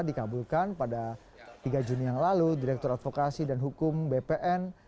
dikabulkan pada tiga juni yang lalu direktur advokasi dan hukum bpn